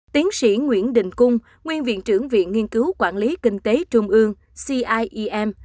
tiến sĩ nguyễn đình cung nguyên viện trưởng viện nghiên cứu quản lý kinh tế trung ương ciem